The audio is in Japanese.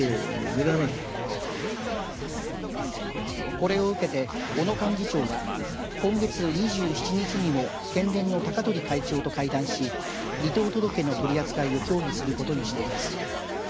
これを受けて、小野幹事長は今月２７日にも県連の高鳥会長と会談し離党届の取り扱いを協議することにしています。